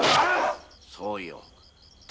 そうよ。